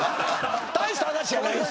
大した話じゃないですよ。